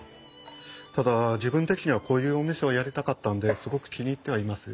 ただ自分的にはこういうお店をやりたかったんですごく気に入ってはいます。